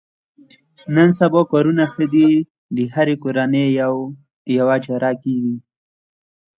نن سبا کارونه ښه دي د هرې کورنۍ یوه چاره کېږي.